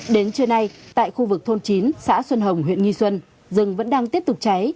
đến trưa nay tại khu vực thôn chín xã xuân hồng huyện nghi xuân rừng vẫn đang tiếp tục cháy